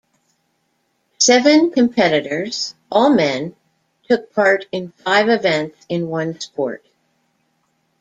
Seven competitors, all men, took part in five events in one sport.